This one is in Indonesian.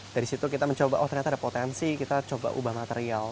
dari situ kita mencoba oh ternyata ada potensi kita coba ubah material